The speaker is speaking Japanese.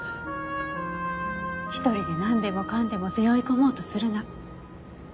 「一人でなんでもかんでも背負い込もうとするな」。